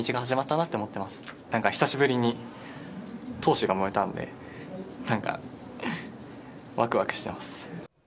なんか久しぶりに闘志が燃えたんで、なんかわくわくしてます。